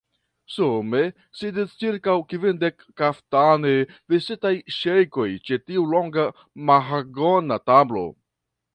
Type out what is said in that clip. Sume sidis ĉirkaŭ kvindek kaftane vestitaj ŝejkoj ĉe tiu longa mahagona tablo.